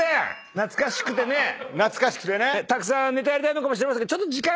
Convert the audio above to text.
懐かしくてねたくさんネタやりたいのかもしれませんけど。